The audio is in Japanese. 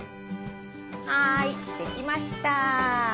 はい出来ました！